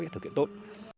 để thực hiện tốt